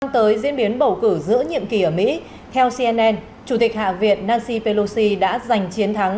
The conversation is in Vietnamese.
tới diễn biến bầu cử giữa nhiệm kỳ ở mỹ theo cnn chủ tịch hạ viện nasy pelosi đã giành chiến thắng